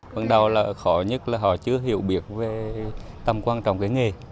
bắt đầu là khó nhất là họ chưa hiểu biết về tầm quan trọng cái nghề